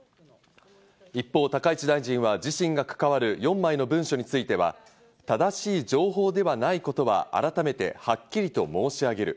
一方、高市大臣は自身が関わる４枚の文書については正しい情報ではないことは改めてはっきりと申し上げる。